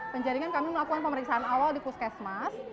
penjaringan kami melakukan pemeriksaan awal di puskesmas